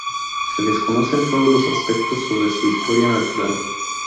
Se desconocen todos los aspectos sobre su historia natural.